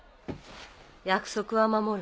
約束は守る。